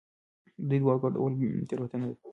د دې دواړو ګډول تېروتنه ده.